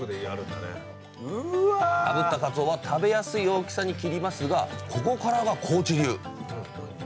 あぶったかつおは食べやすい大きさに切りますがここからが高知流